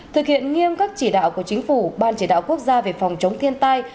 thực hiện nghiêm các chỉ đạo của chính phủ ban chỉ đạo quốc gia về phòng chống thiên tai